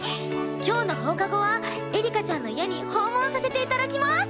今日の放課後はエリカちゃんの家に訪問させて頂きます！